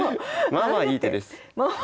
まあまあいい手！